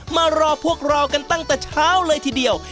มารอพวกเรากันตั้งแต่เช้าเลยทีเดียว